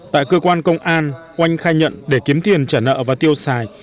tại cơ quan công an oanh khai nhận để kiếm tiền trả nợ và tiêu xài